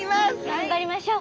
頑張りましょう！